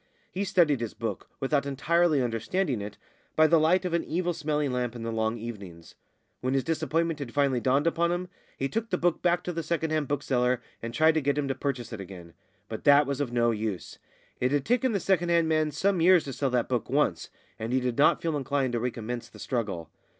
He studied his book, without entirely understanding it, by the light of an evil smelling lamp in the long evenings. When his disappointment had finally dawned upon him, he took the book back to the second hand bookseller and tried to get him to purchase it again; but that was of no use. It had taken the second hand man some years to sell that book once, and he did not feel inclined to recommence the struggle.